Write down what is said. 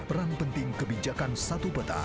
peran penting kebijakan satu peta